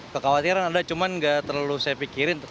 kekhawatiran ada cuma nggak terlalu saya pikirin